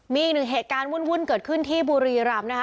มีอีกหนึ่งเหตุการณ์วุ่นเกิดขึ้นที่บุรีรำนะคะ